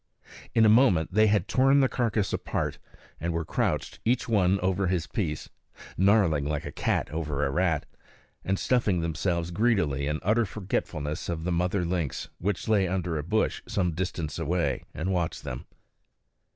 In a moment they had torn the carcass apart and were crouched, each one over his piece, gnarling like a cat over a rat, and stuffing themselves greedily in utter forgetfulness of the mother lynx, which lay under a bush some distance away and watched them.